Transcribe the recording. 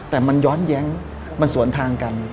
แต่มันย้อนแย้งมันสวนทางกัน